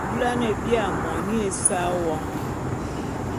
Bula’ane bia moni esa won !